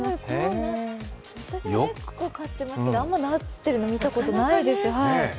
私も猫、飼ってますけどあんまりなってるの見たことないです。